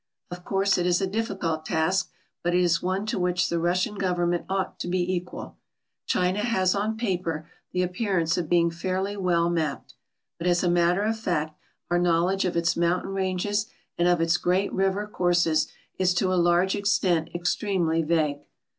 Of course it is a difficult task, but it is one to which the Russian government ought to be equal. China has on paper the appearance of being fairly well mapped ; but as a matter of fact our knowledge of its mountain ranges and of its great river courses is to a large extent extremely vague.